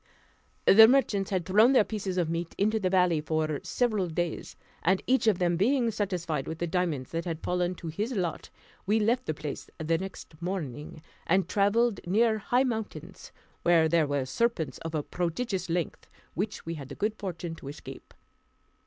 The merchants had thrown their pieces of meat into the valley for several days; and each of them being satisfied with the diamonds that had fallen to his lot, we left the place the next morning, and travelled near high mountains, where there were serpents of a prodigious length, which we had the good fortune to escape.